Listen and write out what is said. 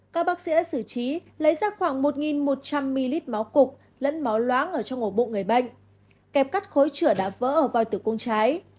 các bác sĩ đã xử trí lấy ra khoảng một một trăm linh ml máu cục lẫn máu loáng ở trong ngồ bụng người bệnh kẹp cắt khối trưởng đã vỡ ở vòi tủ cung trái